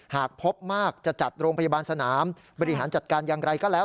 หากพบมากจะจัดโรงพยาบาลสนามบริหารจัดการอย่างไรก็แล้ว